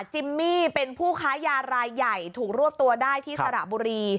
จิมมี่เป็นผู้ค้ายารายใหญ่ถูกรวบตัวได้ที่สระบุรี